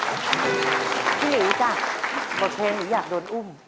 พี่หลิวจ้ะบทเพลงหนูอยากโดนอุ้ม